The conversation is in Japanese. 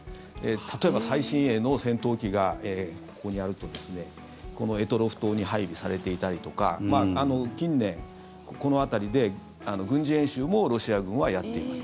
例えば、最新鋭の戦闘機がここにあるとおり択捉島に配備されていたりとか近年、この辺りで軍事演習もロシア軍はやっています。